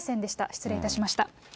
失礼いたしました。